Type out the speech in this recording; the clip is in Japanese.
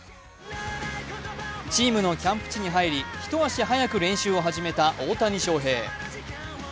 チームのキャンプ地に入り、一足早く練習を始めた大谷翔平。